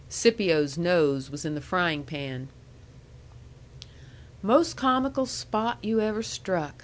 Scipio's nose was in the frying pan. "Mos' comical spot you ever struck!"